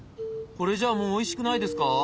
これじゃあもうおいしくないですか？